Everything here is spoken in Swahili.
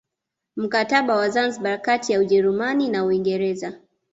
Mkataba wa Zanzibar kati ya Ujerumani na Uingereza